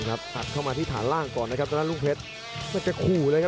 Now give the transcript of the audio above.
อัดเข้ามาที่ฐานล่างก่อนของรุ่นเพชรมันจะขูเลยครับ